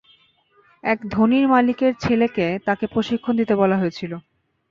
এক ধনীর মালিকের ছেলেকে তাকে প্রশিক্ষণ দিতে বলা হয়েছিল।